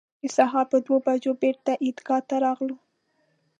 د سهار پر دوه بجو بېرته عیدګاه ته راغلو.